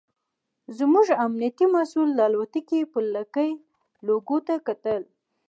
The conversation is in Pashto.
زموږ امنیتي مسوول د الوتکې پر لکۍ لوګو ته کتل.